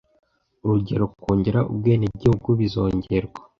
urugero kongera ubwenegihugu bizongerwa